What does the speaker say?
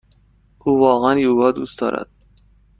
او واقعا یوگا دوست دارد.